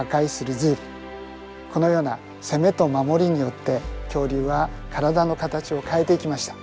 このような攻めと守りによって恐竜は体の形を変えていきました。